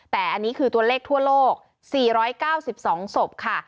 แต่อันนี้คือตัวเลขทั่วโลก๔๙๒ศพค่ะ